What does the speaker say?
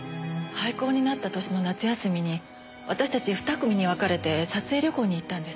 廃校になった年の夏休みに私たち２組に分かれて撮影旅行に行ったんです。